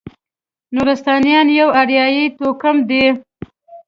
نورستانیان یو اریایي توکم دی.